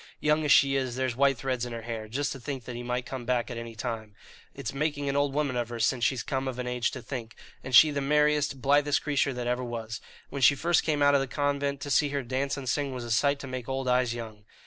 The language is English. Young as she is, there's white threads in her hair, just to think that he might come back at any time. It's making an old woman of her since she's come of an age to think; and she the merriest, blithest creature that ever was. When she first came out of the convent, to see her dance and sing was a sight to make old eyes young."